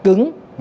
ra đường cao tốc